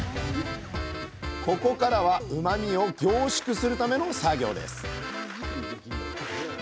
ここからはうまみを凝縮するための作業です